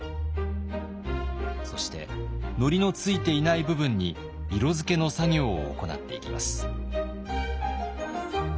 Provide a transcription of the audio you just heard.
そしてのりのついていない部分に色付けの作業を行っていきます。